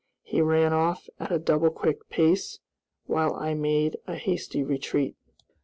He ran off at a double quick pace, while I made a hasty retreat.